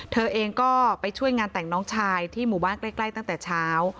เธอเองก็ไปช่วยงานแต่งน้องชายที่หมู่บ้านใกล้ตั้งแต่เช้า